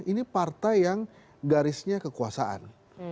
ini partai yang garisnya kekuasaan